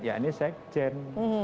ya ini sekjen